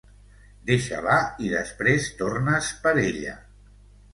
Deixa-la i després tornes per ella.